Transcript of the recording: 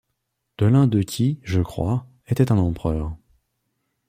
De l'un d'eux qui, je crois, était un empereur.